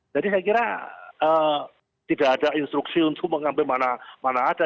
jadi saya kira tidak ada instruksi untuk mengambil mana mana ada